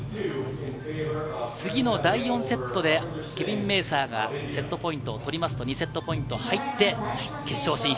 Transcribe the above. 次の第４セットでケビン・メーサーがセットポイントを取りますと、２セットポイント入って決勝進出。